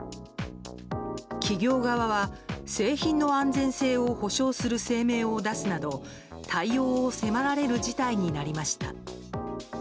企業側は製品の安全性を保証する声明を出すなど対応を迫られる事態になりました。